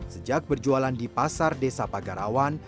sejak berjualan di pasar desa pagarawan